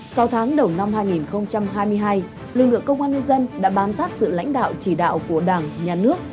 sau tháng đầu năm hai nghìn hai mươi hai lực lượng công an nhân dân đã bám sát sự lãnh đạo chỉ đạo của đảng nhà nước